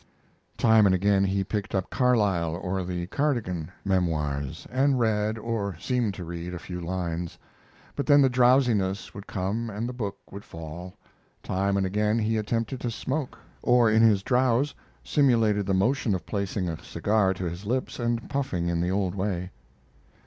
Time and again he picked up Carlyle or the Cardigan Memoirs, and read, or seemed to read, a few lines; but then the drowsiness would come and the book would fall. Time and again he attempted to smoke, or in his drowse simulated the motion of placing a cigar to his lips and puffing in the old way.